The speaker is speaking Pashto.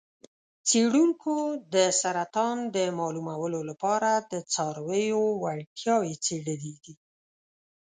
څیړونکو د سرطان د معلومولو لپاره د څارویو وړتیاوې څیړلې دي.